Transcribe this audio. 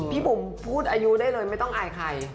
บุ๋มพูดอายุได้เลยไม่ต้องอายใคร